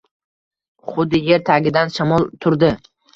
Xuddi yer tagidan shamol turdi.